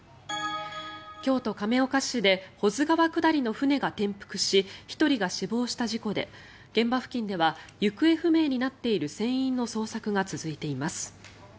京都・亀岡市で保津川下りの船が転覆し１人が死亡した事故で現場付近では行方不明になっている船員の捜索が続いています。